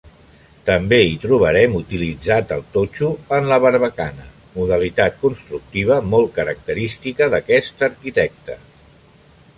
També hi trobarem utilitzat el totxo en la barbacana, modalitat constructiva molt característica d'aquest arquitecte.